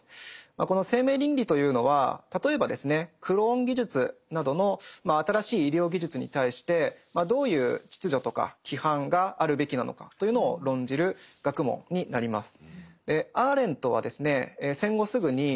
この生命倫理というのは例えばですねクローン技術などの新しい医療技術に対してどういう秩序とか規範があるべきなのかというのを論じる学問になります。